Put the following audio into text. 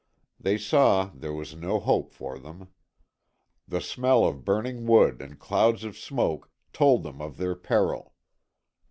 They saw there was no hope for them. The smell of burning wood and clouds of smoke told them of their peril.